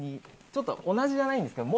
ちょっと同じじゃないんですけど。